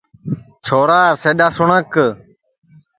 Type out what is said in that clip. چھورا سِڈؔا سُنٚٹؔک